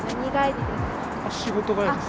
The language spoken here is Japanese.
仕事帰りです。